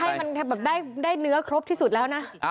ให้มันแบบได้เนื้อครบที่สุดแล้วนะ